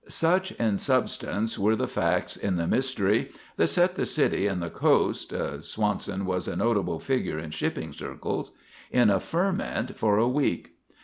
Such, in substance, were the facts in the mystery that set the city and the coast Swanson was a notable figure in shipping circles in a ferment for a week.